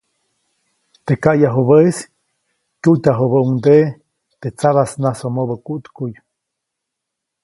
Teʼ kayajubäʼis kyujtyajubäʼuŋdeʼe teʼ tsabasnasomobä kuʼtkuʼy.